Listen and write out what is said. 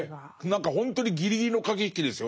何かほんとにギリギリの駆け引きですよね。